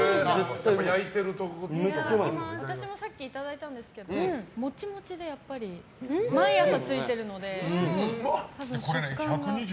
私もさっきいただいたんですけどモチモチで、毎朝ついてるので。